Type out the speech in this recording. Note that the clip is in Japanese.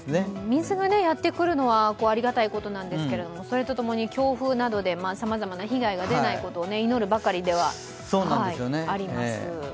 水がやってくるのは、ありがたいことなんですけれども、それとともに強風などでさまざまな被害が出ないことを祈るばかりではあります。